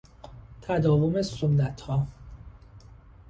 تداوم سنتها